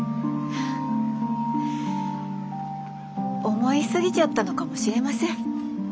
思い過ぎちゃったのかもしれません。